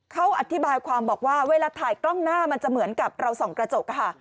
เขาอธิบายความบอกว่าเวลาถ่ายกล้องหน้ามันจะเหมือนกับเราส่องกระจก